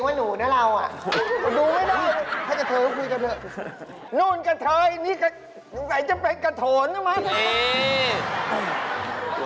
เอาซะฝื่นเลยเอาซะลิ้นฝื่นเลยนี่